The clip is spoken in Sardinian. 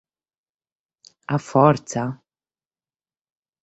A fortza?